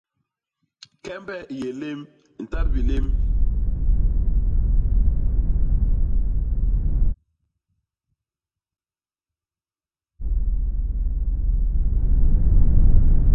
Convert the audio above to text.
Kembe i yé lém; ntat bilém.